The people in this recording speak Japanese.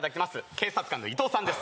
警察官の伊藤さんです